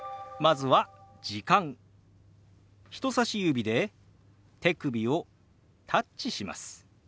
人さし指で手首をタッチします。